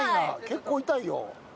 結構痛いよ。